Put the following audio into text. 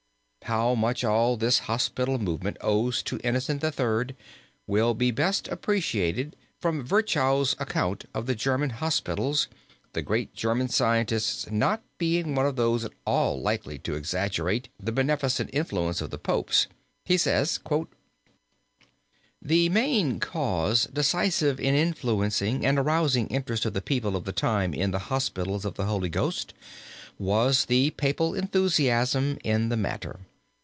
How much all this hospital movement owes to Innocent III. will be best appreciated from Virchow's account of the German hospitals, the great German Scientist not being one of those at all likely to exaggerate, the beneficent influence of the Popes, he says: "The main cause decisive in influencing and arousing interest of the people of the time in the hospitals of the Holy Ghost was the Papal enthusiasm in the matter.